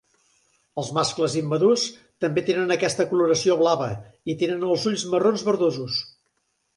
Els mascles immadurs també tenen aquesta coloració blava i tenen els ulls marrons verdosos.